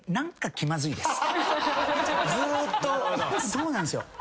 そうなんですよ。